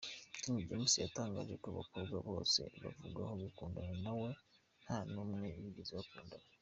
King James yatangaje ko abakobwa bose bavugwaho gukundana nawe nta numwe bigeze bakundana.